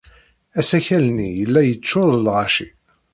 Asakal-nni yella yeččuṛ d lɣaci.